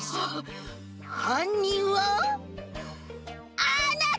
はんにんはあなたたちだ！